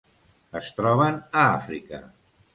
Es troben a Àfrica.